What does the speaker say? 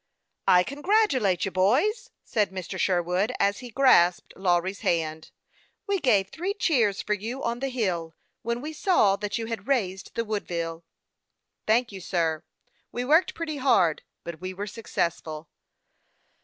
I congratulate you, boys," said Mr. Sherwood, as he grasped Lawry's hand. "We gn\e three cheers for THE YOUNG PILOT OF LAKE CHAMPLAIX. 149 you on the hill, when we saw that you had raised the Woodville." " Thank you, sir. We worked pretty hard, but we were successful."